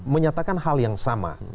menyatakan hal yang sama